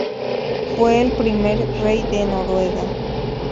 Fue el primer rey de Noruega.